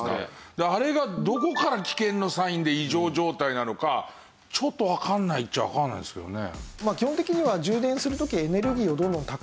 あれがどこから危険のサインで異常状態なのかちょっとわからないっちゃわからないですけどね。